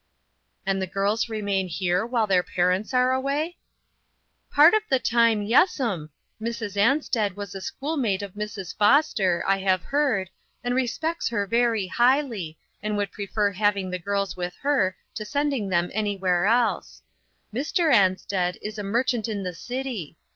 "And the girls remain here while their parents are away ?"" Part of the time, yes'm. Mrs Ansted was a schoolmate of Mrs. Foster, I have heard, and respects her very highly, and would pre fer having the girls with her to sending them anywhere else. Mr. Ansted is a mer chant in the city.